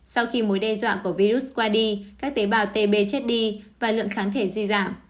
sau khi mối đe dọa của virus qua đi các tế bào tb chết đi và lượng kháng thể duy giảm